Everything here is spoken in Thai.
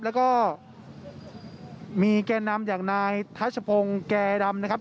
แล้วก็มีแก่นำอย่างนายทัชพงศ์แก่ดำนะครับ